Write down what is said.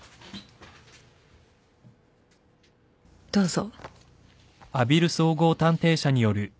どうぞ。